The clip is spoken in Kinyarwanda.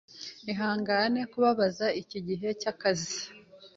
Ihangane kubabaza iki gihe cyakazi.